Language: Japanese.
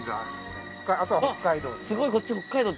あとは北海道すごいこっち